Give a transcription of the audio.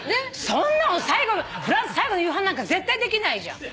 そんなのフランス最後の夕飯なんか絶対できないじゃん。